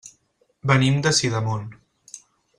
Venim de Sidamon.